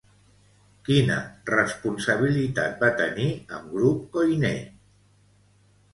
Quina responsabilitat va tenir amb Grup Koiné?